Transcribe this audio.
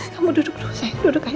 kamu duduk dulu sayang duduk aja